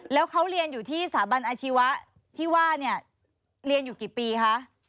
แล้วเขาเรียนอยู่ที่สถาบันอาชีวะที่ว่าเนี่ยเรียนอยู่กี่ปีคะ